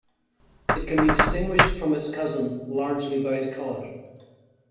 It can be distinguished from its cousin largely by its colour.